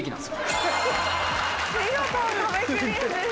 見事壁クリアです。